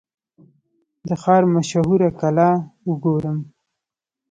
د ښار مشهوره کلا وګورم.